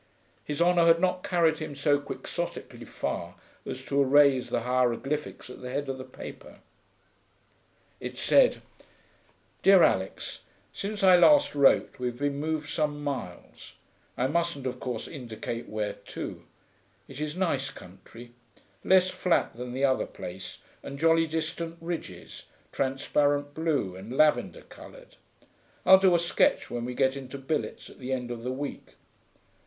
His honour had not carried him so quixotically far as to erase the hieroglyphics at the head of the paper. It said: 'DEAR ALIX, Since I last wrote we've been moved some miles; I mustn't, of course, indicate where to. It is nice country less flat than the other place, and jolly distant ridges, transparent blue and lavender coloured. I'll do a sketch when we get into billets at the end of the week.